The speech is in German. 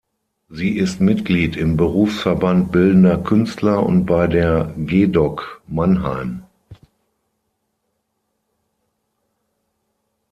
Sie ist Mitglied im Berufsverband Bildender Künstler und bei der Gedok Mannheim.